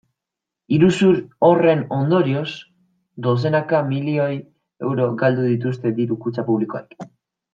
Iruzur horren ondorioz dozenaka milioi euro galdu dituzte diru-kutxa publikoek.